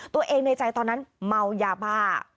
ตัวเองในใจตอนนั้นเมาอย่าบ้า